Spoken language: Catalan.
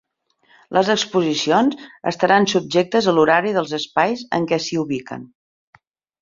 Les exposicions estaran subjectes a l’horari dels espais en què s’hi ubiquen.